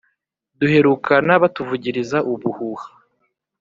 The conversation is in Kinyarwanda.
duherukana batuvugiriza ubuhuha